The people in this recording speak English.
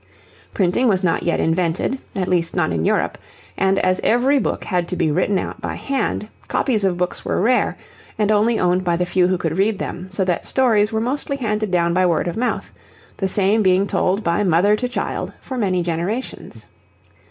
Printing was not yet invented, at least not in Europe, and as every book had to be written out by hand, copies of books were rare and only owned by the few who could read them, so that stories were mostly handed down by word of mouth, the same being told by mother to child for many generations.